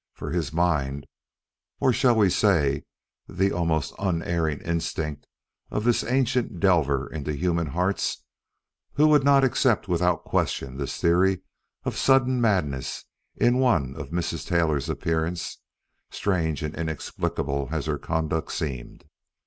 For his mind or shall we say the almost unerring instinct of this ancient delver into human hearts? would not accept without question this theory of sudden madness in one of Mrs. Taylor's appearance, strange and inexplicable as her conduct seemed.